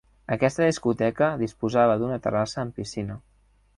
Aquesta discoteca disposava d'una terrassa amb piscina.